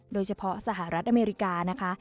โดยเฉพาะสหรัฐอเมริกานะคะ